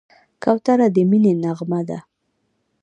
کوتره د مینې نغمه ده.